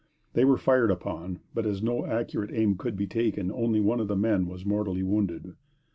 They were fired upon, but as no accurate aim could be taken, only one of the men was mortally wounded.